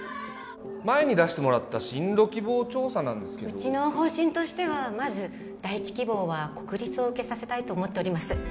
前に出してもらった進路希望調査なんですけどうちの方針としてはまず第一希望は国立を受けさせたいと思っております